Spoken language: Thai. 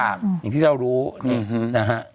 อย่างที่เรารู้นี่นะฮะ